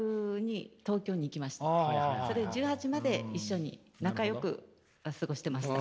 １８まで一緒に仲よく過ごしてました。